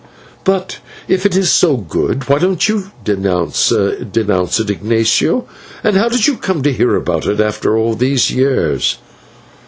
"But if it is so good, why don't /you/ denounce it, Ignatio; and how did you come to hear about it after all these years?"